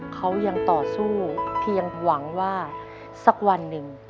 เขายังต่อสู้เพียงหวังว่าสักวันหนึ่ง